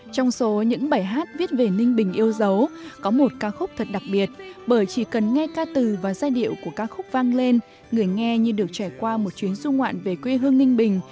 trong số những bài hát viết về ninh bình yêu dấu có một ca khúc thật đặc biệt bởi chỉ cần nghe ca từ và giai điệu của ca khúc vang lên người nghe như được trải qua một chuyến du ngoạn về quê hương ninh bình